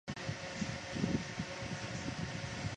他还是伦敦大学学院访问教授。